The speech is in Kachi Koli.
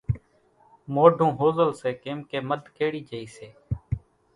مونڍون ۿوزل سي ڪيمڪيَ مڌ ڪيڙِي جھئِي سي۔